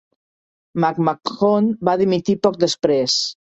McMahon va dimitir poc després.